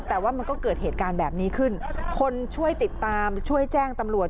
แต่ว่ามันก็เกิดเหตุการณ์แบบนี้ขึ้นคนช่วยติดตามช่วยแจ้งตำรวจ